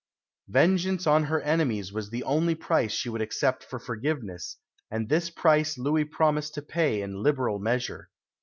Vengeance on her enemies was the only price she would accept for forgiveness, and this price Louis promised to pay in liberal measure.